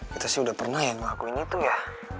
kita sih udah pernah ya ngelakuin itu ya